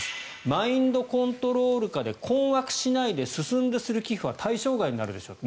マインドコントロール下で困惑しないで進んでする寄付は対象外になるでしょうと。